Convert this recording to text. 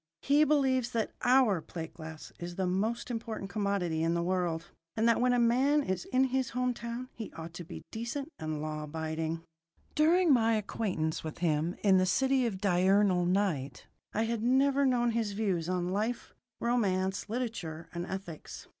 He believes that "our" plate glass is the most important commodity in the world, and that when a man is in his home town he ought to be decent and law abiding. During my acquaintance with him in the City of Diurnal Night I had never known his views on life, romance, literature, and ethics.